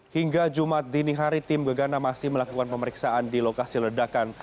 hingga jumat dini hari tim gegana masih melakukan pemeriksaan di lokasi ledakan